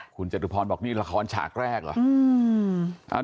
คุณจตุพรบอกนี่ละครฉากแรกเหรอ